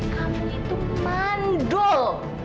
kamu itu mandul